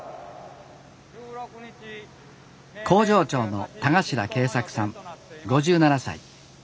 工場長の田頭敬作さん５７歳。